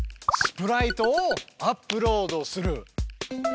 スプライトをアップロードする。